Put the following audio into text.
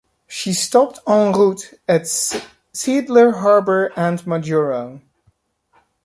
She stopped en route at Seeadler Harbor and Majuro.